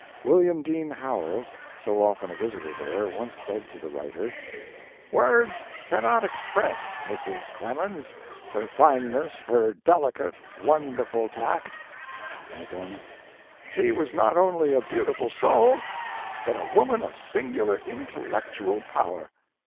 William Dean Howells, so often a visitor there, once said to the writer: "Words cannot express Mrs. Clemens her fineness, her delicate, wonderful tact." And again, "She was not only a beautiful soul, but a woman of singular intellectual power."